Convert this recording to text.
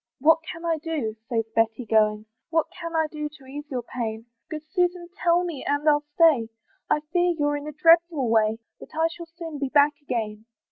"What can I do?" says Betty, going, "What can I do to ease your pain? "Good Susan tell me, and I'll stay; "I fear you're in a dreadful way, "But I shall soon be back again."